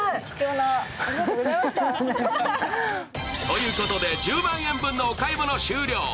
ということで１０万円分のお買い物終了。